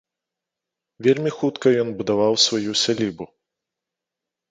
Вельмі хутка ён будаваў сваю сялібу.